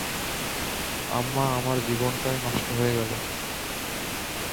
আম্মা আমার জীবনটাই নষ্ট হয়ে গেলো।